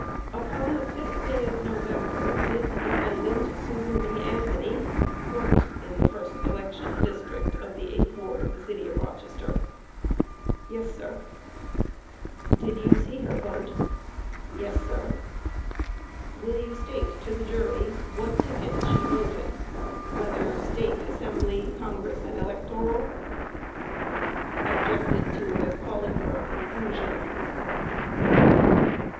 Q. Upon the 5th day of November, did the defendant, Susan B. Anthony, vote in the first election district of the 8th ward of the city of Rochester? A. Yes, sir. Q. Did you see her vote? A. Yes, sir. Q. Will you state to the jury what tickets she voted, whether State, Assembly, Congress and Electoral? Objected to as calling for a conclusion.